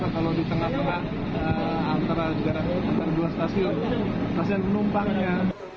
kalau di tengah tengah antara dua stasiun stasiun penumpangnya